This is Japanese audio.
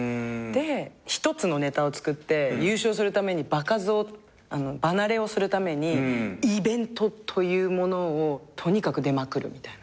１つのネタをつくって優勝するために場数を場慣れをするためにイベントというものをとにかく出まくるみたいな。